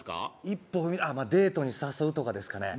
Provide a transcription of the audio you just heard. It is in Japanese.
一歩踏みデートに誘うとかですかね